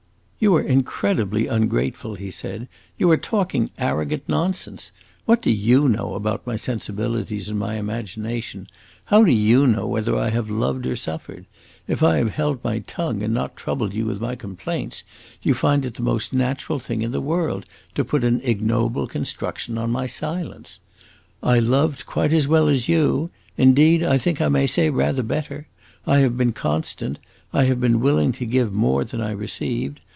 "You are incredibly ungrateful," he said. "You are talking arrogant nonsense. What do you know about my sensibilities and my imagination? How do you know whether I have loved or suffered? If I have held my tongue and not troubled you with my complaints, you find it the most natural thing in the world to put an ignoble construction on my silence. I loved quite as well as you; indeed, I think I may say rather better. I have been constant. I have been willing to give more than I received.